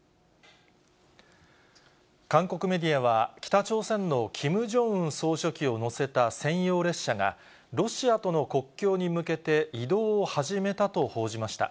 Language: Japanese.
韓国メディアは、北朝鮮のキム・ジョンウン総書記を乗せた専用列車が、ロシアとの国境に向けて移動を始めたと報じました。